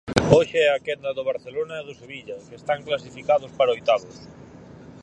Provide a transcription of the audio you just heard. Hoxe a quenda do Barcelona e do Sevilla, que están clasificados para oitavos.